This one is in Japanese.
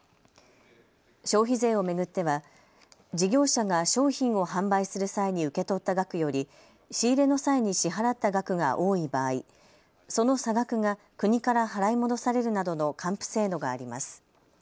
消費税を巡っては事業者が商品を販売する際に受け取った額より仕入れの際に支払った額が多い場合、その差額が国から払い戻されるなどの還付制度があります。